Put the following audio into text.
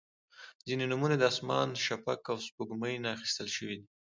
• ځینې نومونه د اسمان، شفق، او سپوږمۍ نه اخیستل شوي دي.